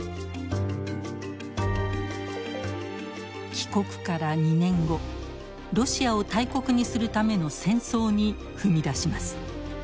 帰国から２年後ロシアを大国にするための戦争に踏み出します。